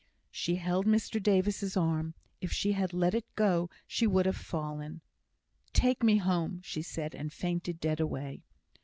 She held Mr Davis's arm. If she had let it go, she would have fallen. "Take me home," she said, and fainted dead away.